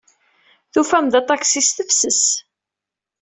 Tufam-d aṭaksi s tefses.